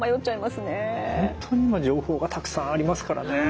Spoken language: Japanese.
本当に今情報がたくさんありますからね。